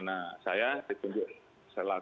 terima kasih pak